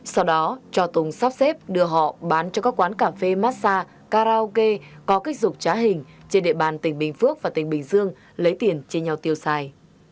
sau đó cho tùng sắp xếp đưa họ bán cho các quán cà phê massa karaoke có kích dục trá hình trên địa bàn tỉnh bình phước và tỉnh bình dương lấy tiền chia nhau tiêu xài